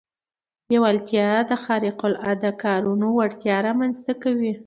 لېوالتیا د خارق العاده کارونو وړتيا رامنځته کوي.